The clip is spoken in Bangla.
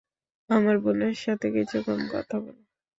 আমার বোনের সাথে কিছুক্ষণ কথা বলো।